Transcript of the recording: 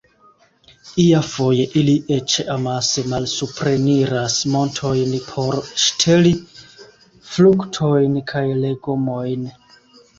Iafoje ili eĉ amase malsupreniras montojn por ŝteli fruktojn kaj legomojn.